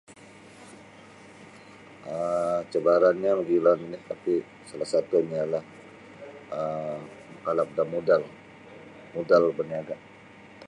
um cabaran yang dilalui' tapi' salah satunyo ialah um makalap da modal modal baniaga'.